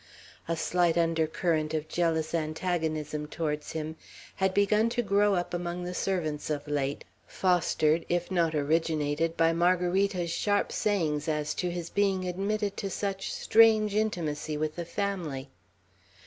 A slight undercurrent of jealous antagonism towards him had begun to grow up among the servants of late; fostered, if not originated, by Margarita's sharp sayings as to his being admitted to such strange intimacy with the family.